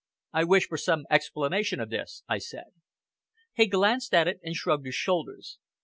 "I wish for some explanation of this," I said. He glanced at it, and shrugged his shoulders.